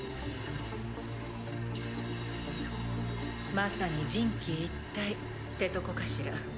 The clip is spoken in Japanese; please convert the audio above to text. まさに人機一体ってとこかしら。